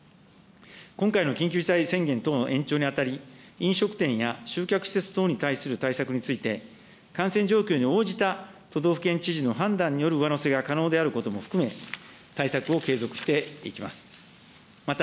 今回の緊急事態宣言等の延長にあたり、飲食店や集客施設等に対する対策について、感染状況に応じた都道府県知事の判断による上乗せが可能であることも含め、対策を継続していきます。